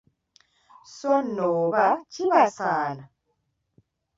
So nno oba kibasaana!